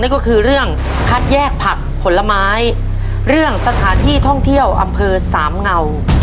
ก็คือเรื่องคัดแยกผักผลไม้เรื่องสถานที่ท่องเที่ยวอำเภอสามเงา